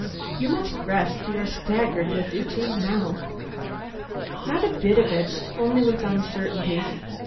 "You must rest; you are staggering with fatigue now." "Not a bit of it, only with uncertainty.